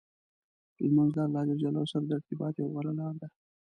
لمونځ د الله جل جلاله سره د ارتباط یوه غوره لار ده.